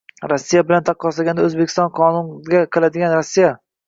Rossiya Bilan taqqoslaganda O'zbekiston qonunga qiladigan Rossiya